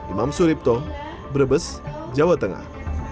imam suripto brebes jawa tengah